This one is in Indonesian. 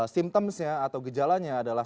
simptomsnya atau gejalanya adalah